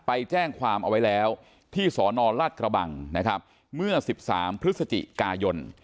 ไปแจ้งความเอาไว้แล้วที่สนราชกระบังนะครับเมื่อ๑๓พฤศจิกายน